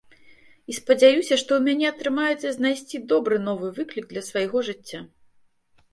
І спадзяюся, што ў мяне атрымаецца знайсці добры новы выклік для свайго жыцця.